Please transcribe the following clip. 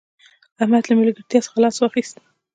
احمد له ملګرتیا څخه لاس واخيست